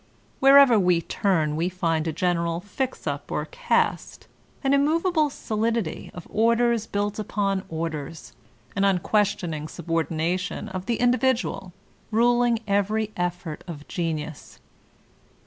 Wherever we turn we find a general fixup or caste, an immovable solidity of orders buik upon orders, an unquestioning sub ordination of the individual, ruling every effort of genius.